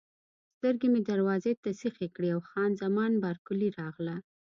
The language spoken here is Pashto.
سترګې مې دروازې ته سیخې کړې او خان زمان بارکلي راغله.